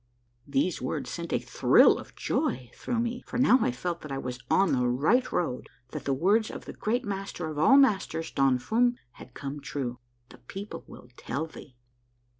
" These words sent a thrill of joy through me, for now I felt that I was on the right road, that the words of the great master of all masters, Don Fum, had come true. " The people will tell thee